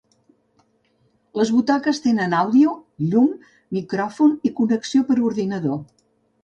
Les butaques tenen àudio, llum, micròfon i connexió per ordinador.